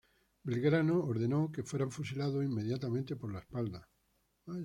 Belgrano ordenó que fueran fusilados inmediatamente por la espalda.